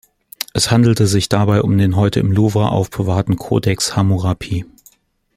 Es handelte sich dabei um den heute im Louvre aufbewahrten Codex Hammurapi.